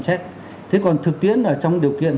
xét thế còn thực tiễn là trong điều kiện